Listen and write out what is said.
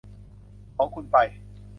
ของคุณไป